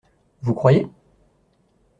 Vous croyez ?